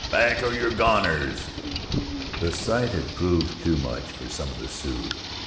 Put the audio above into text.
Back or you're goners!" The sight had proved too much for some of the Sioux.